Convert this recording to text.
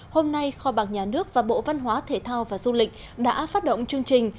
hôm nay kho bạc nhà nước và bộ văn hóa thể thao và du lịch đã phát động chương trình